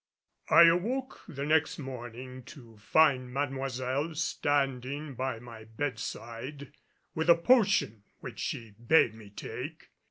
I awoke the next morning to find Mademoiselle standing by my bedside with a potion which she bade me take.